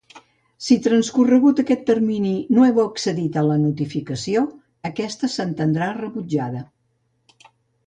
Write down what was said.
Si transcorregut aquest termini no heu accedit a la notificació, aquesta s'entendrà rebutjada.